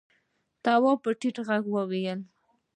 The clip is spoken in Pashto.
تواب په ټيټ غږ وويل: